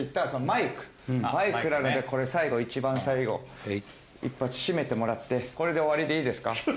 マイクなのでこれ最後一番最後一発締めてもらってこれで終わりでいいですか？